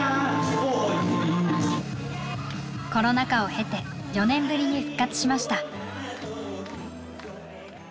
コロナ禍を経て４年ぶりに復活しました。